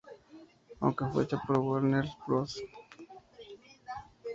Aunque fue hecha por Warner Bros.